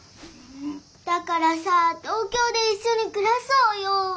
だからさ東京でいっしょにくらそうよ。